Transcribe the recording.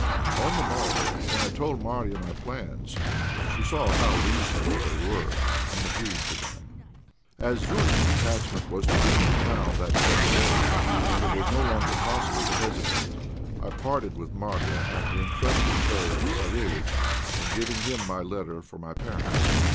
On the morrow, when I told Marya my plans, she saw how reasonable they were, and agreed to them. As Zourine's detachment was to leave the town that same day, and it was no longer possible to hesitate, I parted with Marya after entrusting her to Savéliitch, and giving him a letter for my parents.